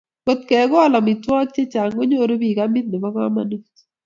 Ngotkekol amitwogik kochanga konyoru bik amit nebo komonut